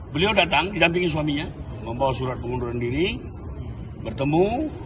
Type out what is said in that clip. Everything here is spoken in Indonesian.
beliau datang didampingi suaminya membawa surat pengunduran diri bertemu